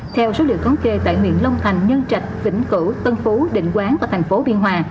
theo số liệu thống kê tại huyện long thành nhân trạch vĩnh cửu tân phú định quán và thành phố biên hòa